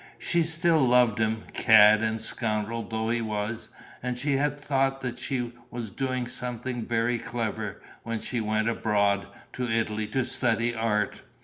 She still loved him, cad and scoundrel though he was; and she had thought that she was doing something very clever, when she went abroad, to Italy, to study art.